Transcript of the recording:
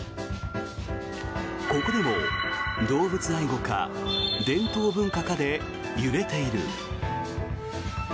ここでも動物愛護か伝統文化かで揺れている。